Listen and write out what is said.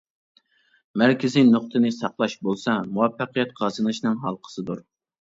مەركىزى نۇقتىنى ساقلاش بولسا، مۇۋەپپەقىيەت قازىنىشنىڭ ھالقىسىدۇر.